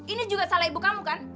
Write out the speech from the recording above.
ini juga salah ibu kamu kan